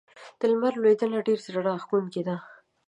د لمر لوېدنه ډېره زړه راښکونکې ده.